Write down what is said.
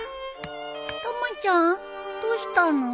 たまちゃん？どうしたの？